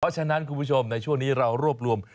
เพราะฉะนั้นคุณผู้ชมในช่วงนี้เรารวบรวม